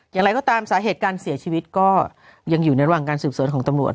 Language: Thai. อย่างไรก็ตามสาเหตุการเสียชีวิตก็ยังอยู่ในระหว่างการสืบสวนของตำรวจ